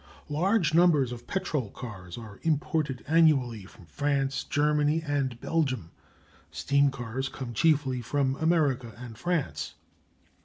Large numbers of petrol cars are imported annually from France, Germany, and Belgium. Steam cars come chiefly from America and France.